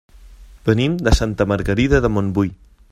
Venim de Santa Margarida de Montbui.